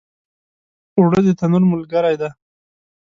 اوړه د تنور ملګری دي